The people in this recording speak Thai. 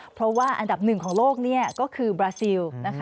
เพราะว่าอันดับหนึ่งของโลกก็คือบราซิล